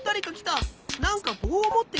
なんかぼうをもってるな。